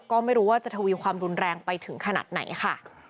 ก็ไม่รู้ว่าจะทวีความรุนแรงไปถึงขนาดไหนค่ะ